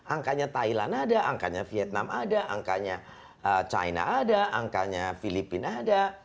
angkanya thailand ada angkanya vietnam ada angkanya china ada angkanya filipina ada